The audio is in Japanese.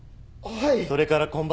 はい。